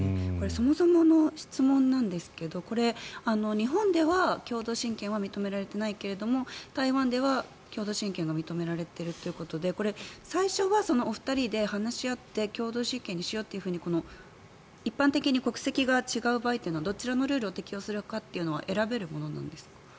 そもそもの質問なんですがこれ、日本では共同親権認められてないけれども台湾では共同親権が認められているということで最初はお二人で話し合って共同親権にしようって一般的に国籍が違う場合というのはどちらのルールを適応するかというのは選べるものなんですか？